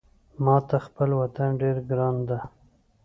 ماته خپل وطن ډېر ګران ده